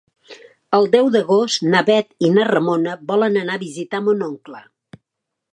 El deu d'agost na Bet i na Ramona volen anar a visitar mon oncle.